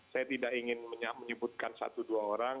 saya tidak ingin menyebutkan satu dua orang